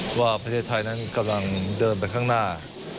เป็นในเช่นไทยกำลังเดินไปข้างหน้า